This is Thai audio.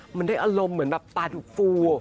มันได้อารมณ์เหมือนแบบปลาดุกฟู